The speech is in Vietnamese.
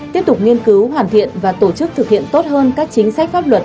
tiếp tục nghiên cứu hoàn thiện và tổ chức thực hiện tốt hơn các chính sách pháp luật